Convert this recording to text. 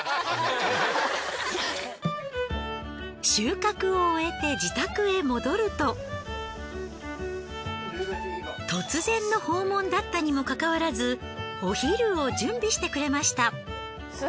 収穫を終えて自宅へ戻ると突然の訪問だったにもかかわらずお昼を準備してくれました。